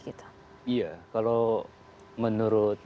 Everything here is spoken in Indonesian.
iya kalau menurut